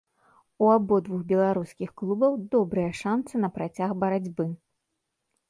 У абодвух беларускіх клубаў добрыя шанцы на працяг барацьбы.